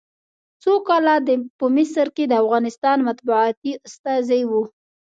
څو کاله په مصر کې د افغانستان مطبوعاتي استازی و.